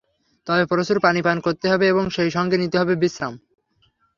তবে প্রচুর পানি পান করতে হবে এবং সেই সঙ্গে নিতে হবে বিশ্রাম।